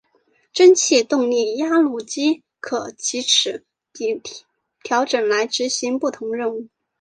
蒸气动力压路机可藉齿比调整来执行不同任务。